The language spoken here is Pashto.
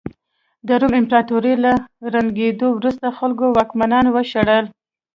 د روم امپراتورۍ له ړنګېدو وروسته خلکو واکمنان وشړل